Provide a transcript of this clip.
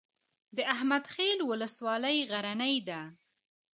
د احمد خیل ولسوالۍ غرنۍ ده